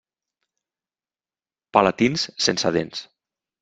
Palatins sense dents.